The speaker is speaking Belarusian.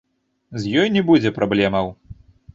З ёй не будзе праблемаў.